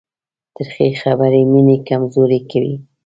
تریخې خبرې مینه کمزورې کوي.